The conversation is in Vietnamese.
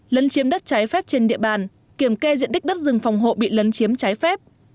lấn chiếm đất trái phép trên địa bàn kiểm kê diện tích đất rừng phòng hộ bị lấn chiếm trái phép